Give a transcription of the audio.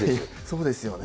そうですよね。